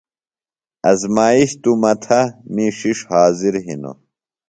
آزمائش توۡ مہ تھہ می ݜِݜ حاضر ہِنوۡ۔